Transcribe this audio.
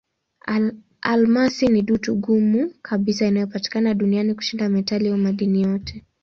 Almasi ni dutu ngumu kabisa inayopatikana duniani kushinda metali au madini yote.